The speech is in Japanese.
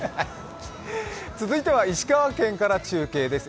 続いては石川県から中継です。